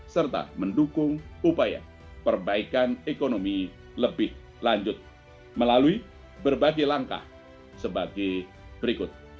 serta mendukung upaya perbaikan ekonomi lebih lanjut melalui berbagai langkah sebagai berikut